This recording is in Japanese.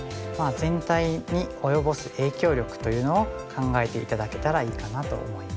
全体に及ぼす影響力というのを考えて頂けたらいいかなと思います。